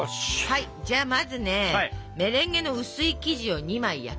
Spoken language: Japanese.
はいじゃあまずねメレンゲの薄い生地を２枚焼きますよ。